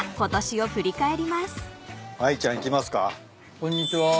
こんにちは。